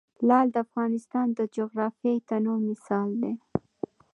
لعل د افغانستان د جغرافیوي تنوع مثال دی.